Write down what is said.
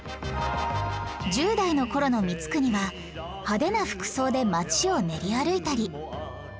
１０代の頃の光圀は派手な服装で街を練り歩いたり